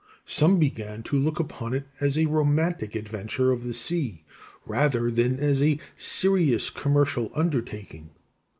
Some began to look upon it as a romantic adventure of the sea, rather than as a serious commercial undertaking.